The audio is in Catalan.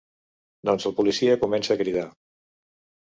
Doncs el policia comença a cridar.